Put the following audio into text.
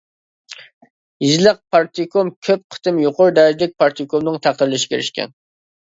يېزىلىق پارتكوم كۆپ قېتىم يۇقىرى دەرىجىلىك پارتكومنىڭ تەقدىرلىشىگە ئېرىشكەن.